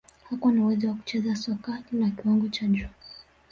hakuwa na uwezo wa kucheza soka la kiwango cha juu